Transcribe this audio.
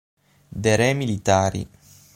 De re militari